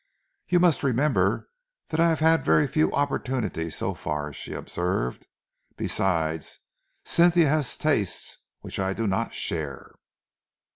"You must remember that I have had very few opportunities so far," she observed. "Besides, Cynthia has tastes which I do not share."